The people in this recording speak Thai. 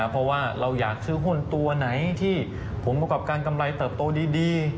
เพราะว่าเราอยากซื้อหุ้นตัวไหนที่ผลประกอบการกำไรเติบโตดี